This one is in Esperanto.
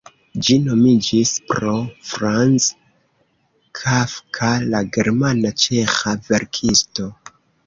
Ĝi nomiĝis pro Franz Kafka, la germana-ĉeĥa verkisto.